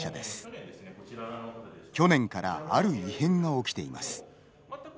去年からある異変が起きています。